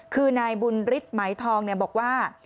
คือนายบุญฤทธิ์ไหมทองบอกว่า